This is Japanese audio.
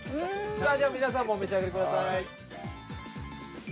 さあでは皆さんもお召し上がりください。